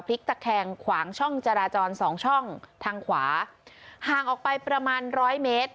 ตะแคงขวางช่องจราจรสองช่องทางขวาห่างออกไปประมาณร้อยเมตร